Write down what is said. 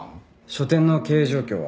書店の経営状況は？